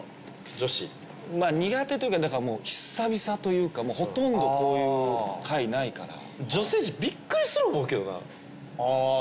女子まぁ苦手というか何かもう久々というかもうほとんどこういう会ないから女性陣びっくりする思うけどなあぁ